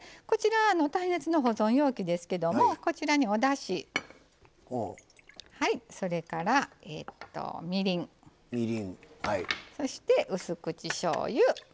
耐熱の保存容器ですけどもこちらにおだし、それから、みりんそして、うす口しょうゆ。